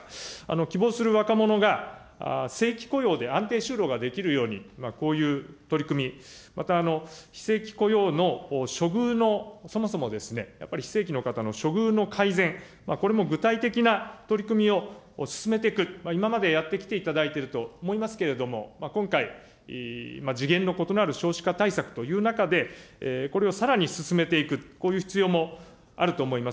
希望する若者が正規雇用で安定就労ができるように、こういう取り組み、また非正規雇用の処遇のそもそも、やっぱり非正規の方の処遇の改善、これも具体的な取り組みを進めていく、今までやってきていただいていると思いますけれども、今回、次元の異なる少子化対策という中で、これをさらに進めていく、こういう必要もあると思います。